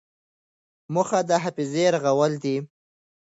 موخه د حافظې رغول دي.